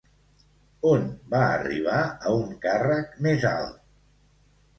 On va arribar a un càrrec més alt?